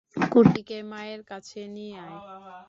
কুট্টিকে মায়ের কাছে নিয়ে আয়।